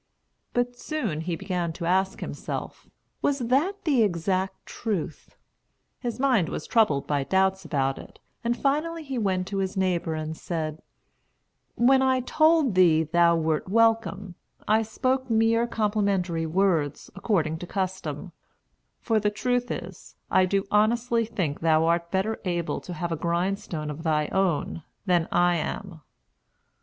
But soon he began to ask himself, "Was that the exact truth?" His mind was troubled by doubts about it, and finally he went to his neighbor, and said, "When I told thee thou wert welcome, I spoke mere complimentary words, according to custom; for the truth is, I do honestly think thou art better able to have a grindstone of thy own, than I am."